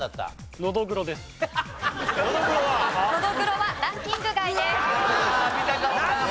ノドグロはランキング外です。